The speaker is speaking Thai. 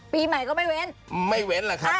ปีใหม่ก็ไม่เว้นค่ะไม่เว้นหรืออ่ะค่ะ